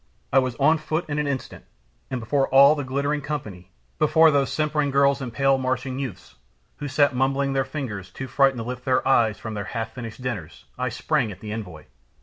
I was on foot in an instant, and before all the glittering company, before those simpering girls and pale Martian youths, who sat mumbling their fingers, too frightened to lift their eyes from off their half finished dinners, I sprang at the envoy.